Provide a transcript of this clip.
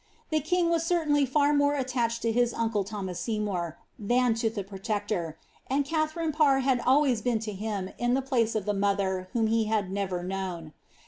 The king was certainly far more attached to his uncle Thomas Seymour, than to the protector, and Katharine Parr had always been to him in the place of the mother whom he had never known.